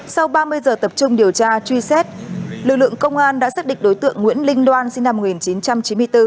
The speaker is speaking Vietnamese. sau ba mươi giờ tập trung điều tra truy xét lực lượng công an đã xác định đối tượng nguyễn linh loan sinh năm một nghìn chín trăm chín mươi bốn